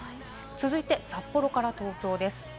続いて札幌から東京です。